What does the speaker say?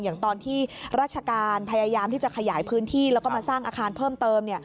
อย่างตอนที่ราชการพยายามที่จะขยายพื้นที่แล้วก็มาสร้างอาคารเพิ่มเติม